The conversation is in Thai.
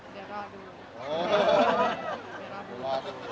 เดี๋ยวรอดู